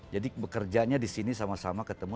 jadi pekerjanya di sini sama sama ketemu